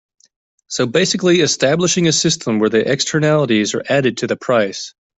So basically establishing a system where the externalities are added to the price.